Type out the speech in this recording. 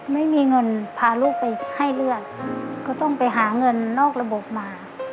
ไม่มีเงินพาลูกไปให้เลือดก็ต้องไปหาเงินนอกระบบมา